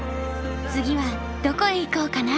次はどこへ行こうかな。